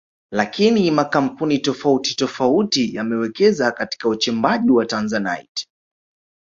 Lakini makampuni tofauti tofauti yamewekeza katika uchimbaji wa Tanzanite